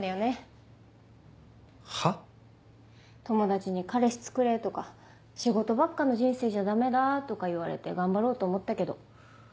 友達に彼氏つくれとか仕事ばっかの人生じゃダメだとか言われて頑張ろうと思ったけど。